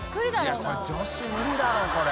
いこれ女子無理だろうこれ。